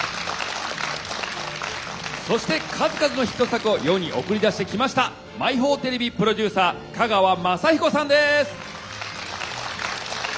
そして数々のヒット作を世に送り出してきました毎宝テレビプロデューサー香川雅彦さんです！